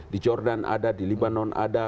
di jordan ada di libanon ada